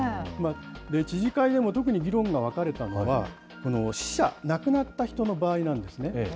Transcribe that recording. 知事会でも特に議論が分かれたのは、死者、亡くなった人の場合なんですね。